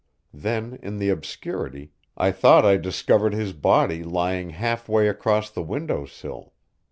Then, in the obscurity, I thought I discovered his body lying half way across the window sill.